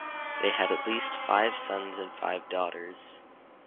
They had at least five sons and five daughters.